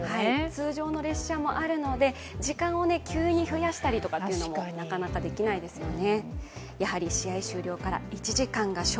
通常の列車もあるので時間を急に増やしたりっていうのもなかなかできないですよね。